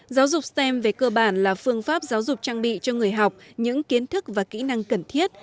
giáo dục stem về cơ bản là phương pháp giáo dục trang bị cho người học những kiến thức và kỹ năng cần thiết